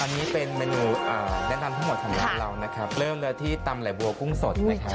อันนี้เป็นเมนูแนะนำทั้งหมดของร้านเรานะครับเริ่มแล้วที่ตำไหลบัวกุ้งสดนะครับ